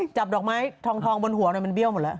ดอกไม้ทองบนหัวมันเบี้ยวหมดแล้ว